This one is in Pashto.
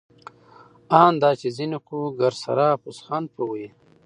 آن دا چي ځيني خو ګرسره پسخند په وهي.